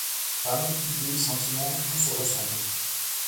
Femmes, idées, sentiments, tout se ressemble.